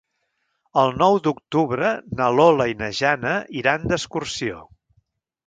El nou d'octubre na Lola i na Jana iran d'excursió.